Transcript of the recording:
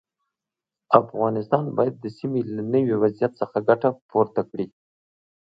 افغانستان باید د سیمې له نوي وضعیت څخه ګټه پورته کړي.